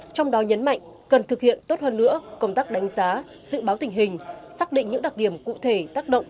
trong đó nhấn mạnh cần thực hiện tốt hơn nữa công tác đánh giá dự báo tình hình xác định những đặc điểm cụ thể tác động